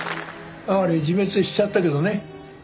哀れ自滅しちゃったけどね。